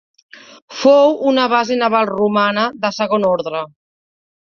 Fou una base naval romana de segon ordre.